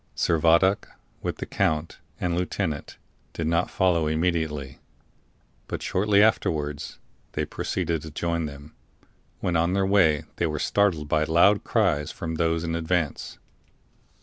Servadac, with the count and lieutenant, did not follow immediately; but shortly afterwards they proceeded to join them, when on their way they were startled by loud cries from those in advance.